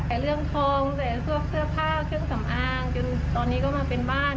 แต่เรื่องทองแต่พวกเสื้อผ้าเครื่องสำอางจนตอนนี้ก็มาเป็นบ้าน